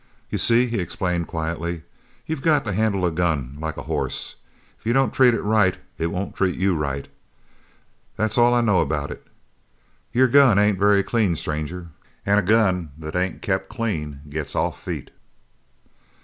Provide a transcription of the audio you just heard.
"You see," he explained quietly, "you got to handle a gun like a horse. If you don't treat it right it won't treat you right. That's all I know about it. Your gun ain't very clean, stranger, an' a gun that ain't kept clean gets off feet."